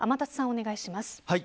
お願いします。